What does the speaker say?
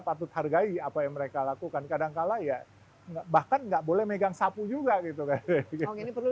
patut hargai apa yang mereka lakukan kadangkala ya bahkan nggak boleh megang sapu juga gitu kan ini perlu